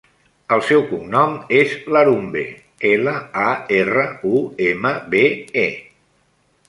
El seu cognom és Larumbe: ela, a, erra, u, ema, be, e.